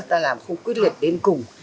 ta làm không quyết liệt đến cùng